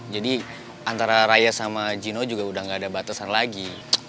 jadi antara raya sama gino juga udah gak ada batasan lagi